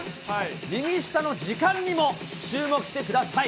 右下の時間にも注目してください。